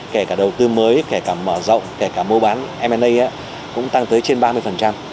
kể cả đầu tư mới kể cả mở rộng kể cả mua bán m a cũng tăng tới trên ba mươi